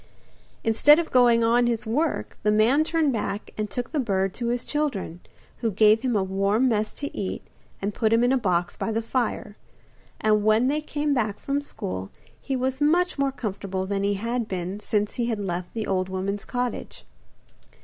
Instead of going on his work, the man turned back and took the bird to his children, who gave him a warm mess to eat and put him in a box by the fire, and when they came back from school he was much more comfortable than he had been since he had left the old woman's cottage.